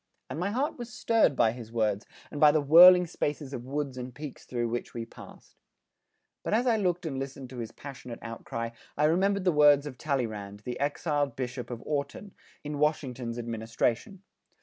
And my heart was stirred by his words and by the whirling spaces of woods and peaks through which we passed. But as I looked and listened to this passionate outcry, I remembered the words of Talleyrand, the exiled Bishop of Autun, in Washington's administration.